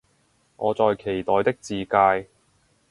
我在期待的自介